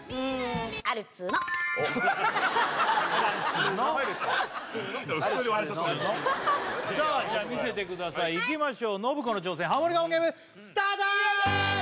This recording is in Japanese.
あるっつーの普通に笑っちゃったよじゃあ見せてくださいいきましょう信子の挑戦ハモリ我慢ゲームスタート！